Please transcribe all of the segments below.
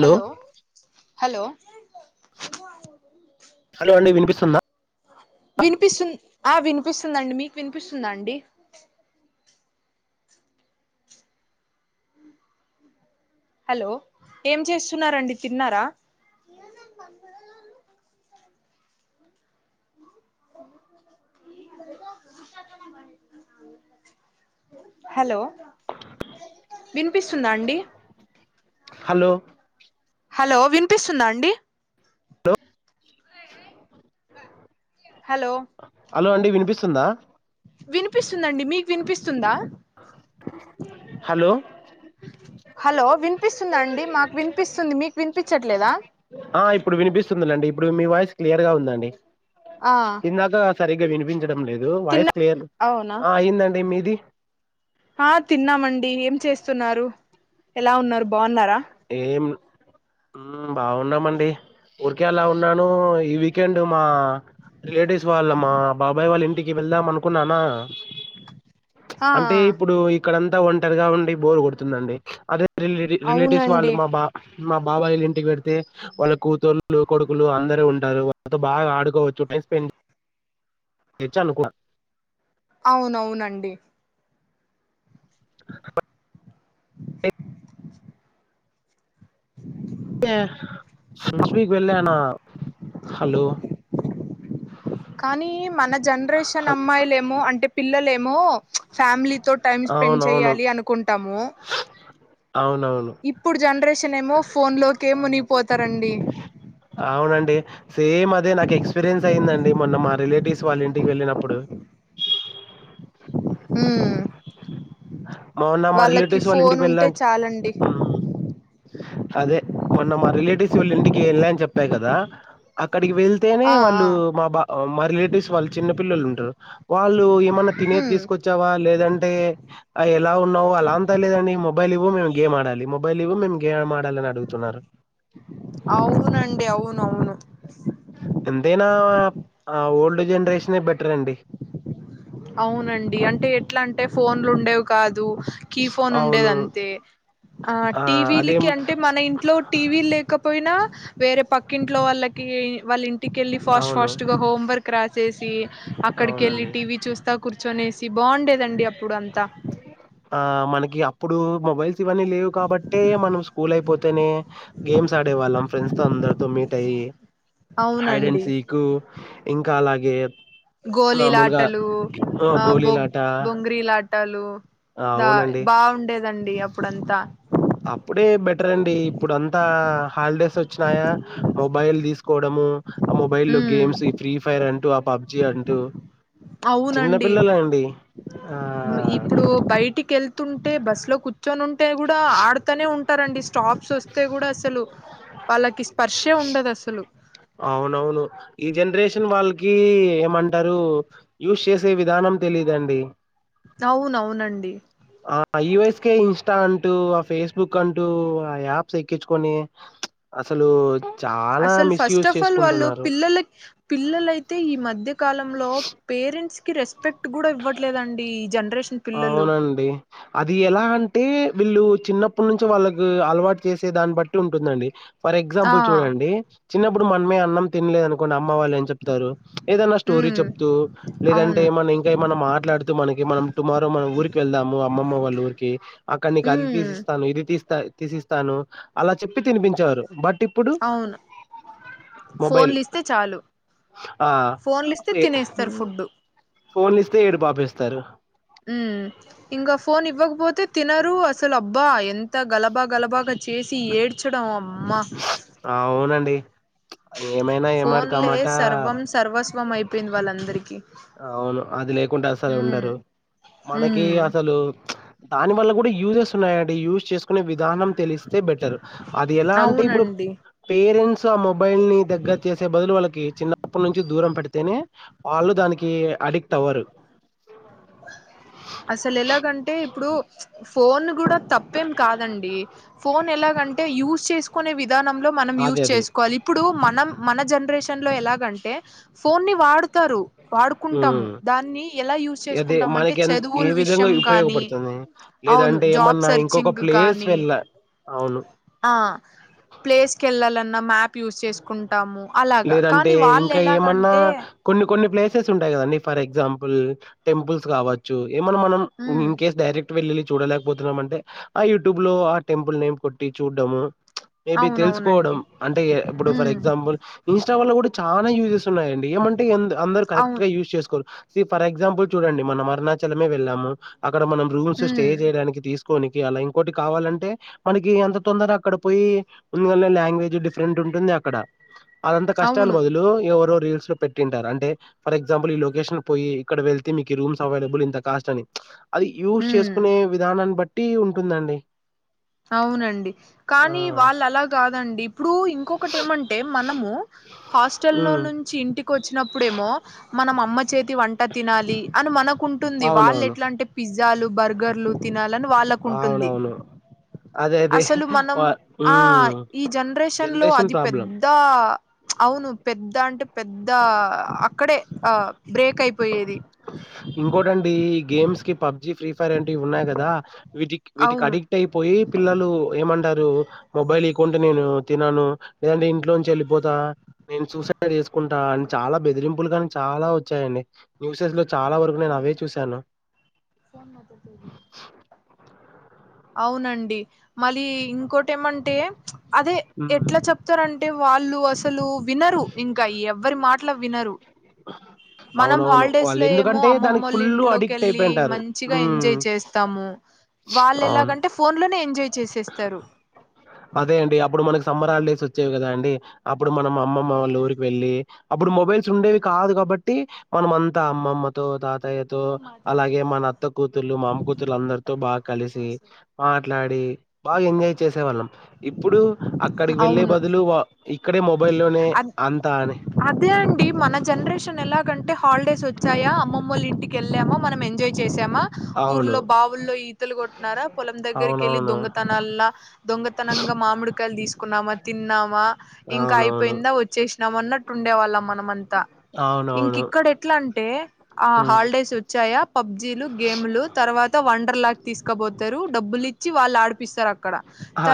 Hello hello hello అండి వినిపిస్తుందా వినిపిస్తు ఆ వినిపిస్తుందండి మీకు వినిపిస్తుందా అండి హలో ఏం చేస్తున్నారండి తిన్నారా ఉషనే హలో విన్పిస్తుందా అండి హలో హలో విన్పిస్తుందా అండి హలో హలో అండి వినిపిస్తుందా వినిపిస్తుందండి మీకు వినిపిస్తుందా హలో హలో విన్పిస్తుందా అండి మాకు విన్పిస్తుంది మీ ఆ ఇప్పుడు వినిపిస్తుంది లేండి ఇప్పుడు మీ వాయిస్ క్లియర్ గా ఉందండి ఆ ఇందాక సరిగ్గా వినిపించడం లేదు తిన్నా వాయిస్ క్లియర్ అవునా ఆ అయిందండి మీది ఆ తిన్నామండి ఏం చేస్తున్నారు? ఎలా ఉన్నరు బావున్నరా? ఏం, మ్ బాగున్నామండి ఉర్కే అలా ఉన్నాను ఈ వీకెండ్ మా రిలేటివ్స్ వాళ్ళ మా బాబాయ్ వాళ్ళ ఇంటికి వెళ్దాం అనుకున్నానా ఆ అంటే ఇప్పుడు ఇక్కడంత ఒంటరిగా ఉండి బోర్ కొడుతుందండి అదే రిల్ రి రీ రిలేటివ్స్ వాళ్ళు అవునండి మా బా మా బాబాయిలింట్ ఇంటికి వేడితే వాళ్ళ కూతుళ్ళు, కొడుకులు అందరు ఉంటారు వాళ్ళతో బాగా ఆడుకోవచ్చు టైం స్పెండ్ చ్చాలు కూడా అవునవునండి [unintelligible] [inaudible] లాస్ట్ వీక్ వెళ్ళానా, హలో కనీ మన జనరేషన్ హల్ అమ్మాయిలేమో అంటే పిల్లలేమో ఫ్యామిలీతో టైమ్ స్పెండ్ అవునవును. చేయాలి అనుకుంటాము అవునవును. ఇప్పుడు జనరేషన్ ఏమో ఫోన్ లోకే మునిగిపోత్ అవునండి సేమ్ అదే నాకు ఎక్స్పీరియన్స్ అయ్యిందండి మొన్న మా రిలేటివ్స్ వాళ్ళ ఇంటికి వెళ్ళినప్పుడు [unintelligible] ఉమ్ మోన్న మా వాళ్ళకి రిలేటివ్స్ వాళ్ళ ఫోన్ ఇంటికి ఉంటే వెళ్ళాన్ చ్ చాలండి ఉమ్ అదే మొన్న మా రిలేటివ్స్ వీళ్ళింటికి ఎల్లా అని చెప్పా గదా అక్కడ్ డికి వెళ్తేనే ఆ ఆ వాళ్ళు మా బా మా రిలేటివ్స్ వాళ్ళు చిన్న పిల్లలు ఉంటరు వాళ్ళు ఏమన్న తినేది ఉమ్ తీసుకొచ్చావా లేదంటే లా ఉన్నావు అలాంత లేదండి మొబైల్ ఇవ్వు మేము గేమ్ ఆడాలి మొ మొబైల్ ఇవ్వు మేము గేమ్ ఆడాలని అడుగుతున్నారు అవునండి అవును అవును ఎంతైనా ఆ ఓల్డ్ జనరేషనే బెటర్ అండి అవునండి అంటే ఎట్లా అంటే ఫోన్లు ఉండేవి కాదు కీ ఫోన్ అవును ఉండేదంతే, ఆ టీ వీ లకి అంటే మన ఇంట్లో టీ వీ ల్లేకప్ పోయినా వేరే పక్కింట్లో వాళ్ళకి వాళ్ళ ఇంటికెళ్ళి ఫాస్ట్ అవును ఫాస్ట్ గా హోమ్వర్క్ క్రాసేసి అక్కడికెళ్ళి అవునండి టీ వీ చూస్తాకూర్చొనేసి బాగుండేదండి అప్పుడు అంతా ఆ మనకి అప్పుడూ మొబైల్ ఇవన్నీ లేవు కాబట్టే మనం స్కూల్ అయిపోతేనే గేమ్స్ ఆడేవాళ్ళం ఫ్రెండ్స్ తో అందరితో మీట్ అయ్యి హైడన్ అవునండి. సీకు ఇంకా అలాగ్ గోలీలాటలూ, ఆ బొ బొంగ్రీలాటల్ లు ఆ గా అవునండి. బావుండేదండి అప్పుడంతా ట్రన్డి ఇప్పుడు అంతా హాలిడేస్ వచ్చినాయా మొబైల్ దీసుకోవడము ఆ మొబైల్ లో హ్మ్. గేమ్స్ ఈ ఫ్రీ ఫైర్ అంటూ, ఆ పబ్జి అంటూ అవునండి. చిన్నపిల్లలే అండి ఆ ఇప్పుడు బయటికెళ్తుంటే బస్సులో కూర్చొనుంటే గూడా ఆడతనే ఉంటారండి స్టాప్ ప్స్ ఒస్తే గూడా అసలు వాళ్ళకి స్పర్శే ఉండదసలు అవునవును, ఈ జనరేషన్ వాళ్ళకి ఏమంటరూ యూస్ చేసే విధానం తెలిదండి అవునవునండి ఆ ఈ వైస్కె ఇంస్టా అంటూ ఆ ఫేస్బుక్ అంటూ ఆ యాప్స్ ఎక్కించుకొని అసలు చాలా అసలు ఫస్ట్ మిస్‌యూజ్ ఆఫ్ ఆల్ వాళ్ళు చేసుకుంటున్నారు. పిల్లల పిల్లలైతే ఈ మధ్య కాలంలో పేరెంట్స్ రెస్పెక్ట్ కూడ ఇవ్వట్లేదండి జనరే అవునండి అది ఎలా అంటే వీళ్ళు చిన్నప్పటి నుంచి వాళ్ళకు అలవాటు చేసే దాన్ని బట్టి ఉంటుందండి ఫర్ ఆ ఎగ్జాంపుల్ చూడండి చిన్నప్పుడు మనమే అన్నం తినలేదు అనుకోండి అమ్ మ్మ వాళ్ళు ఏం చెప్తారు ఏదన్నా స్టోరీ ఉమ్ చెప్తూ లేదంటే అవును ఏమన్నా ఇంకా ఏమన్నా మాట్లాడుతూ మనకి మనం మనం మన ఊరికి వెళ్దాము అమ్మమ్మ వాళ్ళ ఊరికి అక్కడ నీకు అది ఉమ్ తీసిస్తాను ఇది తీస్తా తీసి ఇస్తాను అలా చెప్పి తినిపించారు బట్ ఇప్పుడు అవును మొబైల్ ఫోన్లు ఇస్తే చాలు ఆ ఫోన్లు ఇస్తే తినేస్తారు ఫుడ్ ఫోన్ ఇస్తే ఏడుపు ఆపేస్తారు హ్మ్ ఇంకా ఫోన్ ఇవ్వకపోతే తినరు అసలు అబ్బా ఎంత గలబా గలబ చేసి ఏడ్చడం అమ్మ అవునండి. ఏమైనా ఏమాట ఫోన్లే కామాట సర్వం సర్వస్ వం అయిపోయింది వాళ్ళందరికీ కుంటే అసలు ఉమ్ ఉండరు మనకి ఉమ్ అసలు దాని వల్ల కూడా యూజెస్ ఉన్నాయండి యూజ్ చేస్ చేసుకునే విధానం తెలిస్తే బెటర్ అది ఎలా అంటే ఇప్పుడు అవునండి పేరెంట్స్ ఆ మొబైల్ ని దగ్గర చేసే బదులు వాళ్ళకి చిన్నప్పటి నుంచి దూరం పెడితేనే వాళ్ళు దానికి అడిక్ట్ అవ్వరు అసలు ఎలాగంటే ఇప్పుడు ఫోన్ కూడా తప్పేం కాదండి ఫోన్ ఎలాగంటే యూస్ చేసుకునే విధానంలో మనం యూస్ అదే అదే చేసుకోవాలి ఇప్పుడు మనం మనం మన జనరేషన్ లో ఎలాగంటే ఫోన్ ని వాడు వాడుకుంటారు వాడుకుంటాము ఉమ్ దాన్ని ఎలా యూస్ చేస్ అదే కుంటామంటే మనకి ఎంత ఏ చదువుల విధంగా విషయం గానీ ఉపయోగపడుతుంది అవును లేదంటే జాబ్ ఏమన్నా ఇంకొక సర్చింగ్ ప్లేస్ గాని వెళ్ళ అవును ఆ ప్లేస్ కెళ్ళాలన్న మ్యా యూస్ చేసుకుంటాము అలాగ లేదంటే కానీ వాళ్ళు ఎలాగంటే యూజెస్ ఉంటాయి కదండి ఫర్ ఎక్సంపుల్ టెంపుల్స్ కావచ్చు ఏమన్నా మనం ఉమ్ ఇన్ కేస్ డైరెక్ట్ వెళ్ళిఎల్లి చూడలేకపోతున్నాం అంటే ఆ యూట్యూబ్ లో ఆ టెంపుల్ నేమ్ కొట్టి చూడ్డము మేబి అవునవునండి తెలుసుకోవడం అంటే ఇప్పుడు ఫర్ ఉమ్ ఎక్సాంపుల్ ఇన్స్టా వల్ల కూడా చాలా యూజెస్ ఉన్నాయి అండి ఏమంటే అందరూ కరెక్ట్ అవును గా యూజ్ చేసుకో ఫర్ ఎక్సాంపుల్ చూడండి మనం అరుణాచలమే వెళ్ళాము అక్కడ మనం రూమ్స్ స్టే ఉమ్ చేయడానికి తీసు కోనికి అలా ఇంకోటి కావాలంటే మనకి ఎంత తొందర అక్కడ పోయి ఉంది అన్నది లాంగ్వేజ్ డిఫరెంట్ ఉ ఉంది అక్కడ అదంత కష్టాలు అవును బదులు ఎవరో పెట్టుంటారు అంటే ఫర్ ఎక్సాంపుల్ ఈ లొకేషన్ పోయి ఇక్కడ వెళ్తే మీ రూమ్స్ అవైలబుల్ ఇంత కాస్ట్ అని అది యూస్ హ్మ్ చేసుకునే విధానాన్ని బట్టి ఉంటుందండి అవునండి ఆ! కానీ వాళ్ళు అలా కాదండి ఇప్పుడు ఇంకొటి ఏమంటే మనము హాస్టల్లో హ్మ్. నుంచి ఇంటికి ఇంటికొచ్చి వచ్చినప్పుడు ఏమో మనం అమ్మ చేతి వంట తినాలి అని మనకుంటుంది వాళ్ళ అవునవును. ఎట్లా అంటే పిజ్ పిజ్జాలు బర్గర్లు తినాలని వాళ్ళకుంటుంది అవునవును. అదే అదే. అసలు మనం వ ఆ హ్మ్. ఈ జనరేషన్ లో అది పెద్ద అవును పెద్ద అంటే పెద్ద అక్కడే ఆ బ్రేక్ అయి ఇంకోటండి గేమ్స్ కి పబ్జి ఫ్రీ ఫైర్ వంటివి ఉన్నాయి కదా వీటికి వీటికి అడిక్ట్ అవును అయిపోయి పిల్లలు ఏమంటారు మొబైల్ ఇవ్వకుంటే నేను తిన్నాను లేదంటే ఇంట్లో నుంచి వెళ్ళిపోతా నేను సూసైడ్ చేసు కుంటా అని చాలా బెదిరింపులు కాని చాలా వచ్చాయండి న్యూసెస్ లో చాల వరకు నేను అవే చూశాను అవునండి మళ్ళీ ఇంకోటి ఏమంటే ప్చ్ అదే హ్మ్. ఎట్లా చెప్తారంట అంటే వాళ్ళు అసలు అసలు వినరు ఇంకా ఎవరి మాటలు వినరు మనం అవునవును. హాలిడేస్ లో ఏమో వాళ్ళెందుకంటే దానికి అమ్మమ్మ ఫుల్లు ఇంట్లోకి అడిక్ట్ వెళ్ళి అయిపోయింటారు. మంచిగా హ్మ్. ఎంజాయ్ చేస్తాము హ్మ్ వాళ్ళు అవును. ఎలాగా అంటే ఫోన్లోనే ఎంజాయ్ చేసేస్తారు అదే అండి. అప్పుడు మనకు సమ్మర్ హాలీడేస్ వచ్చేవి కదా అండి అప్పుడు మనం అమ్మమ్మ వాళ్ళ ఊరికి వెళ్ళి అప్పుడు మొబైల్స్ ఉండేవి కాదు కాబట్టి మనం అంతా అమ్మమ్మతో తాతయ్య అత్తయ్యతో ఓ మాట్లాడుతుంది అలాగే మన అత్త కూతుర్లు మామ కూతుర్లు అందరితో బాగా కలిసి మాట్లాడి బాగా ఎంజాయ్ చేసే వాళ్ళం ఇప్పుడు అక్కడికి వెళ్లే బదులు వా అ అదే అండి మన జనరేషన్ ఎలా అంటే హాలిడేస్ వచ్చాయా అమ్మమ్మవోల్ల ఇంటికి వెళ్ళామ మనం ఎంజాయ్ చేస్ శమ అవును. ఊర్లో బావుల్లో ఈతలు కొట్నారా పొలం దగ్గరికి వెళ్ళలి అవునవును. దొంగతనాల దొంగ త్తనంగ మామిడికాయలు తీసుకున్నామా తిన్నామా ఇంక అవునవును. అయిపోయింద వచ్చేసినం అన్నట్టు ఉండేవాళ్ళం మనమంతా ఇంక అవునవును. ఇక్కడ ఎట్లా అంటే ఆ హ్మ్. హాలిడేస్ వచ్ పబ్జీలు గేమ్లు తర్వాత వండర్ లాక్ తీసుకబోతరు డబ్బులు ఇచ్చి వాళ్ళ అడిపిస్తారు అక్కడ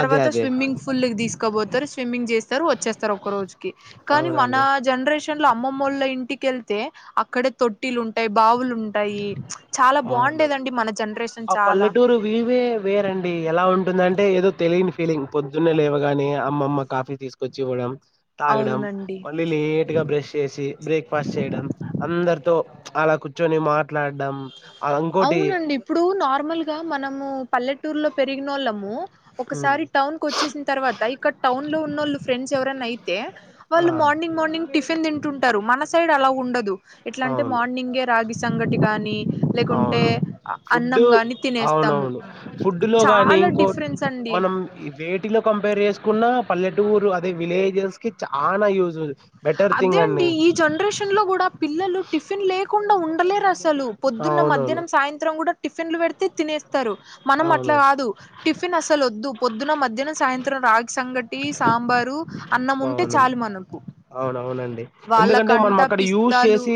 అదే. అదే. స్విమ్మింగ్ పూల్ లకి తీసుకో పోతారు స్విమ్మింగ్ చేసి వచ్చేస్తరూ ఒక రోజుకి కానీ మన అవునండి. జనర్ శాన్లో అమ్మమ్మవోల్ల ఇంటికెళ్తే అక్కడే తొట్టిలు ఉంటాయి బావులుం ఆవులు జనరేషన్ ఆ చాలా పల్లెటూరు వివే వేరండి ఎలా ఉం ఉంటుందంటే ఏదో తెలియని ఫీలింగ్ పొద్దున్నే లేవ గాని అమ్మమ్మ కాఫీ తీసుకొచ్చి ఇవ్వడం తాగడం అవునండి మళ్ళీ లేట్ గా బ్రష్ చేసి బ్రేక్ఫాస్ట్ చేయడం అందరితో అలా కూచొని మాట్లాడం అవునండి ఇప్పుడు నార్మల్ గా మనము పల్లెటూర్లో పెరిగినోళ్ళము ఉమ్, ఒకసారి టౌన్ కు వోచ్చేసిన తర్వాత ఇక్కడ టౌన్ లో ఉన్నోళ్ళు ఫ్రెండ్స్ ఎవరన్న అయితే ఆ వాళ్ళు మ మార్నింగ్ మార్నింగ్ టిఫిన్ తింటుంటరు మన సైడ్ అలా ఉండదు ఎట్ల అంటే అవును మార్నింగే రాగి సంగటి గాని లేకుంటే అవును అ అన్నం ఫుడ్డు గాని తినేస్తాము అవునవును ఫుడ్డులో గానీ చాలా ఇంకో డిఫరెన్స్ అండి మనం ఈ వీటిలో కంప ర్ చేసుకున్న పల్లెటూరు అదే విలేజెస్ కి చానా యూస్ అదే అండి ఈ జనరేషన్ లో గుడా పిల్లలు టిఫిన్ లేకుండ ఉండలేరు అసలు పొద్ పొదున్న అవునవును మధ్యాహ్నం సాయంత్రం గుడా టిఫిన్లు పెడితే తినేస్తారు మనం అట్లా అవును గాదు టిఫిన్ అసలు వద్దు పొద్దున మధ్యానం సాయంత్రం రాగి సంగటి సాంబారు అన్నం ఉంటే చాలు మనకు అవునుఅవునండి ఎందుకంటే మనం వాళ్ళకంట అక్కడ యూస్ పిస్తాలు చేసి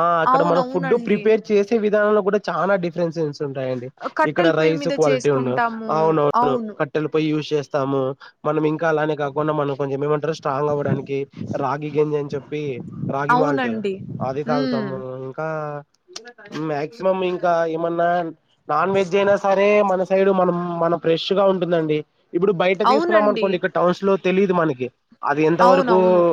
ఆ అక్కడ మనం ఫుడ్ అవునవునండి ప్రిపేర్ చేసి విధానం లో కూడా చాలా డిఫరెన్స్స్ తుంటాయి అండి ఇక్కడ కట్టెల పొయ్యి రైస్ మీద క్వాలిటీ ఉండు చేసుకుంటాము అవునువును అవును కట్టెలు పోయి యూస్ చేస్ స్తాము మనం ఇంక అలానే కాకుండా మనం కొంచెం ఏమంట స్ట్రాంగ్ అవ్వడానికి రాగి గెంజీ అని చెప్పి రాగి మాల్ట్ అవునండి అది ఉమ్ తాగుతాము మాక్సిమం ఇంక ఏమన్నా నాన్ వెజ్ అయినా సరే మన సైడ్ మనం మనం ఫ్రెష్ గా ఉంటుందండి ఇప్పుడు బయట తీసుకున్నాం అవునండి అనుకోండి ఇక్కడ టౌన్స్ లో తెలిదు మనకి అది ఎంత వరకు అవునవును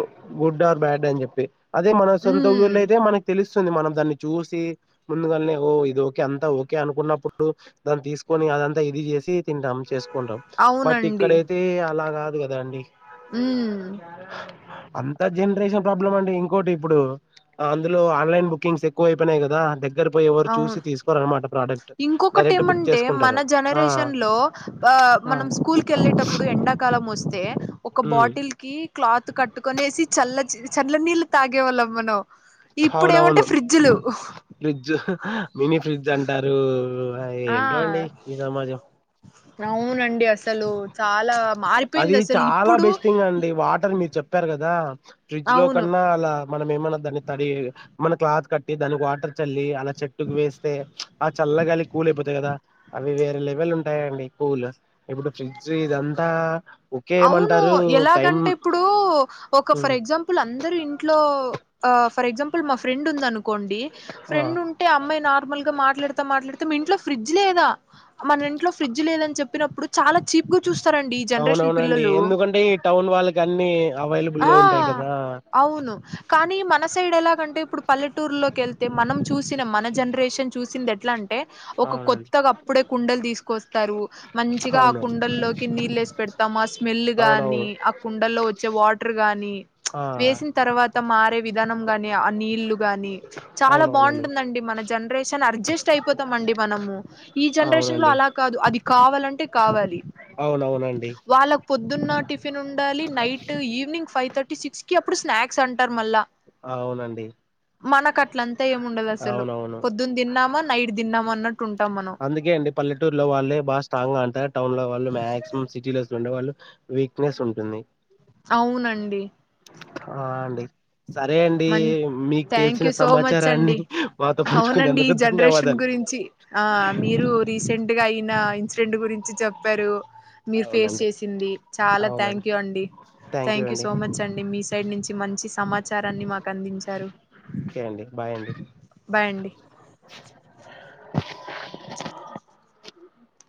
గుడ్ ఆర్ బ్యాడ్ అని జెప్పి అదే మన సొంత ఉమ్ ఊళ్ళో అయితే మనకి తెలిసి సింది మనం దాన్ని చూసి ముందుగానే ఓ ఇది ఓకే అంతా ఓకే అనుకున్నప్పుడు దాన్ని తీసుకొని అదంతా ఇది చేసి తింటాం చేసుకుంటాం బట్ అవునండి ఇక్కడైతే అలా కాదు కదా అండి ఉమ్ అంత జనరేషన్ ప్రాబ్లం అండి ఇంకోటి ఇప్పుడు అందులో ఆన్లైన్ బుకింగ్స్ ఎక్కువ అయిపోనై కదా దగ్ దగ్గర పోయి ఎవరు అవును చూసి తీసుకోర అనమాట ప్రోడక్ట్ ఇంకొకటి డైరెక్ట్ బుక్ ఏమంటే చేసుకుంటరు అ అ మనం స్కూల్కి వెళ్ళేటప్పుడు ఎండకాలం వస్తే ఒక ఉమ్ బాటిల్ కి క్లాత్ కట్టుకొనేసి చల్ల చల్ల నీళ్ళు తాగేవాళ్ళం మనం ఇప్పుడు ఏమంటే ఫ్రీడ్జులు ఆ మినీ ఫ్రిడ్జ్ అంటారు అ ఏంటో అండి ఈ సమాజం అవునండి అసలు చాలా అది మారిపోయింది అసలు చాలా ఇప్పుడు బెస్ట్ థింగ్ అండి వాటర్ మీర్ చెప్పారు కదా ఫ్రిడ్జ్ లో అవును కన్నా అలా మనం ఏమన్నా దాన్ని తరి మన క్లాత్ కట్టి దానికి వాటర్ చల్లి అలా చెట్టుకు వేస్తే అ చల్లగాలికి కూల్ అయిపోతాయి కదా అవి వేరే లెవెల్ ఉంటాయండి కూల్ ఇప్పుడు ఫ్రిడ్జ్ ఇదంతా ఓకే అవును ఏమంటారు టైం ఎలాగంటే ఇప్పుడు ఒక ఫర్ ఎగ్జాంపుల్ అందరూ ఇంట్లో అ ఫర్ ఎక్సంపిల్ మా ఫ్రెండ్ ఉందను కోండి ఆ ఫ్రెండ్ ఉంటే అమ్మాయి నార్మల్ గా మాట్లాడతా మాట్లాడతా మీ ఇంట్లో ఫ్రిడ్జ్ లేదా మన ఇంట్లో ఫ్రిడ్జ్ లేదని చెప్పినప్పుడు చాలా చీప్ గా చూస్తారండి ఈ జనరేషన్ అవునవునండి లో ఎందుకంటే ఈ టౌన్ వాళ్ళకి అన్ని అవైలబుల్ ఆ లో ఉంటాయి కదా అవును కానీ మన సైడ్ ఎలాగంటే ఇప్పుడు పల్లెటూరు లోకి వెళ్తే మనం చూసినం మన జనరేషన్ చూసింది ఎట్లా అంటే ఒక అవునండి కొత్తగా అప్పుడే కుండలు తీసుకొస్తారు మంచిగా ఆ అవునవును కుండల్లోకి నీళ్ళు ఏసి పెడత మా స్మెల్లు గాని అవునవును ఆ కుండల్లో వచ్చే వాటర్ గాని ఆ వేసిన తర్వాత తర్వాత మారే విధానం గాని ఆ నీళ్లు గాని చాలా అవునవునండి బాగుంటుంద అండి మన జనరేషన్ అర్జస్ట్ అయిపోతామ అండి మనము ఈ జనరేషన్ లో అవునండి అలా కాదు అది కావాలంటే కావాలి అవునవునండి వాళ్ళకి పొద్దున్న టిఫిన్ ఉండాలి night evening five thirty six కి అప్పుడు స్నాక్స్ అంటారు మళ్ళా అవును అండి మనకు అట్లంతా ఏం ఉండదు అసలు పొద్దున్న తిన్నామా నైట్ తిన్నామా అన్నట్టు ఉంటాం మనం అందుకే అండి పల్లటూరులో వాళ్ళే బాగా స్ట్రాంగ్ గా అంటారు టౌన్ లో వాళ్ళు మాక్సిమం సిటీలో ఉండే వాళ్ళు వీక్నెస్ ఉంటుంది అవును అండి ఆ అండి సరే అండి మం మీకు థ్యాంక్ తెలిసిన యూ సో మచ్ సమాచారాన్ని అండి మాతో అవునండి ఈ పంచుకున్నందుకు జనరేషన్ ధన్యవాదాలు గురించి ఆ మీరు రీసెంట్ గా అయిన ఇన్సిడెంట్ గురించి చెప్పారు మీరు ఫేస్ అవునండి చేసింది చాలా అవునండి థ్యాంక్ యూ అండి థ్యాంక్ యూ సో మచ్ అండి మీ సైడ్ నుంచి మంచి సమాచారాన్ని మాకు అందించారు ఓకే అండి బాయ్ అండి బాయ్ అండి [inaudible]